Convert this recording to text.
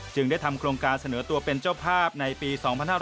ได้ทำโครงการเสนอตัวเป็นเจ้าภาพในปี๒๕๕๙